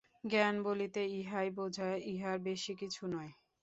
জ্ঞান বলিতে ইহাই বুঝায়, ইহার বেশী কিছু নয়।